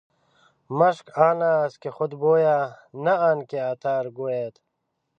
مشک آن است که خود بوید نه آن که عطار ګوید.